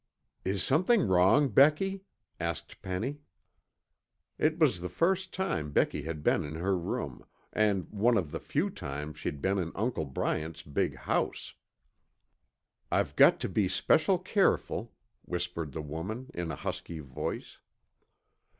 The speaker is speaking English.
"Is something wrong, Becky?" asked Penny. It was the first time Becky had been in her room, and one of the few times she'd been in Uncle Bryant's big house. "I've got tuh be special careful," whispered the woman in a husky voice.